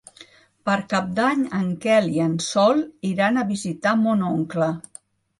Per Cap d'Any en Quel i en Sol iran a visitar mon oncle.